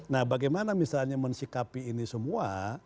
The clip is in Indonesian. nah bagaimana misalnya mensikapi ini semua